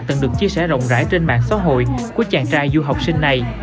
từng được chia sẻ rộng rãi trên mạng xã hội của chàng trai du học sinh này